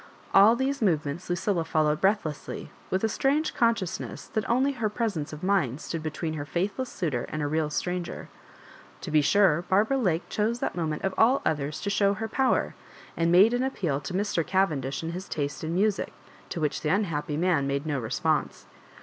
All. these movements Lucilla followed breathlessly, with a strange consciousness that only her presence of mind stood between her faithless suitor and a real stranger. To be sure, Barbara Lake chose that moment of all others to show her power, and made an appeal to Mr. Cavendish and his taste in music, to which the unhappy man made no response.